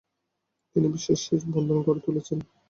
তিনি বিশ্বাসের বন্ধন গড়ে তুলেছিলেন।